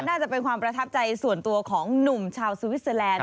น่าจะเป็นความประทับใจส่วนตัวของหนุ่มชาวสวิสเตอร์แลนด